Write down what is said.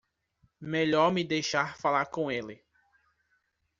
Melhor me deixar falar com ele.